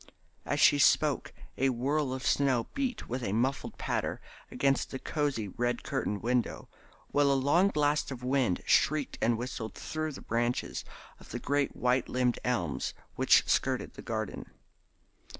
As she spoke a whirl of snow beat with a muffled patter against the cosy red curtained window, while a long blast of wind shrieked and whistled through the branches of the great white limbed elms which skirted the garden.